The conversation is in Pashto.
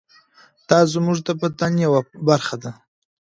دا زموږ د بدن یوه برخه ده.